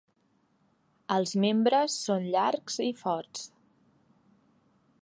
Els membres són llarg i forts.